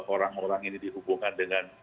orang orang ini dihubungkan dengan